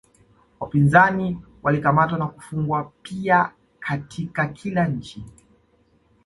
Wapinzani walikamatwa na kufungwa pia Katika kila nchi